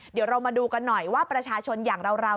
เดี๋ยวเรามาดูกันหน่อยว่าประชาชนอย่างเรา